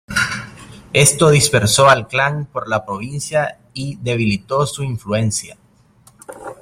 Esto dispersó al clan por la provincia y debilitó su influencia.